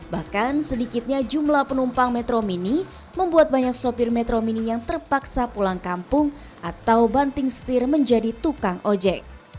bahkan sedikitnya jumlah penumpang metro mini membuat banyak sopir metro mini yang terpaksa pulang kampung atau banting setir menjadi tukang ojek